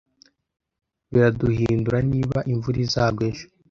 Biraduhindura niba imvura izagwa ejo.